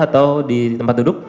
atau di tempat duduk